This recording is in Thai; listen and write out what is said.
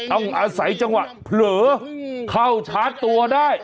อาศัยจังหวะเผลอเข้าชาร์จตัวได้